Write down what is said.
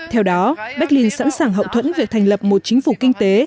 theo đó berlin sẵn sàng hậu thuẫn việc thành lập một chính phủ kinh tế